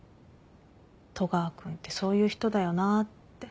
戸川君ってそういう人だよなって。